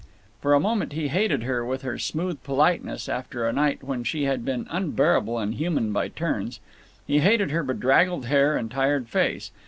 For a moment he hated her, with her smooth politeness, after a night when she had been unbearable and human by turns. He hated her bedraggled hair and tired face.